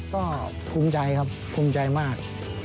ก็ภูมิใจครับภูมิใจมาก